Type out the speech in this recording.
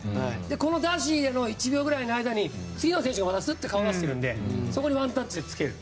この出し入れの１秒ぐらいの間に次の選手がスッと顔を出してくるのでそこにワンタッチでつける。